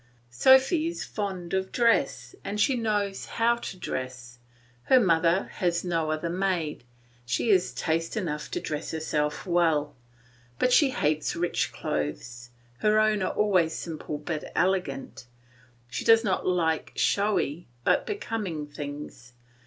Sophy is fond of dress, and she knows how to dress; her mother has no other maid; she has taste enough to dress herself well; but she hates rich clothes; her own are always simple but elegant. She does not like showy but becoming things.